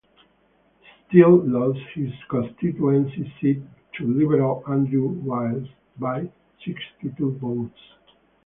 Steel lost his constituency seat to Liberal Andrew Myles by sixty-two votes.